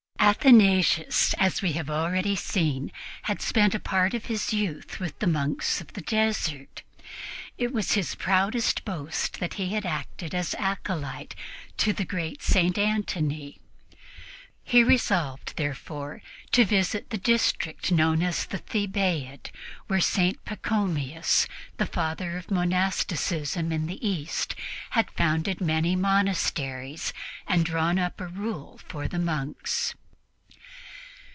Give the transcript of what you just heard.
Athanasius, as we have already seen, had spent a part of his youth with the monks of the desert. It was his proudest boast that he had acted as acolyte to the great St. Antony. He resolved, therefore, to visit the district known as the Thebaid, where St. Pachomius, the father of monasticism in the East, had founded many monasteries and drawn up a rule for the monks.